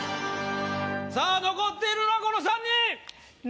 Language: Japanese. さぁ残っているのはこの３人！